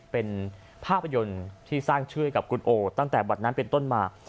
เป็นภาพยนตร์ที่สร้างชื่อให้กับคุณโอตั้งแต่บัตรนั้นเป็นต้นมา